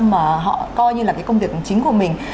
tám mươi bảy mà họ coi như là cái công việc chính của mình